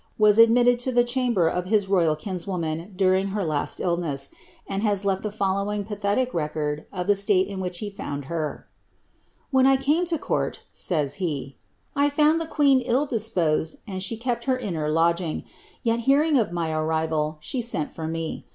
was admitted to the chamber of his royal kinswoman during her last dlriess, and has left the following pathetic record of the state in which he found her: —'■ When I came to court," says he, '* I found the queen ill disposed and she kept her inner lodging ; yet, hearing of my arrival, she sent for me.